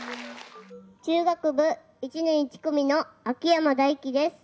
中学部１年１組の秋山大輝です